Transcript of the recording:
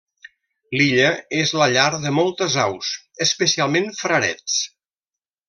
L'illa és la llar de moltes aus, especialment frarets.